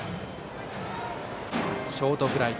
ショートフライ。